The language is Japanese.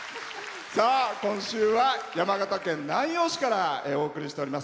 今週は山形県南陽市からお送りしております。